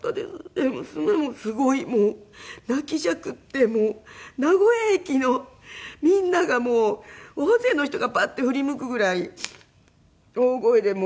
で娘もすごい泣きじゃくって名古屋駅のみんながもう大勢の人がバッて振り向くぐらい大声でもう泣いて。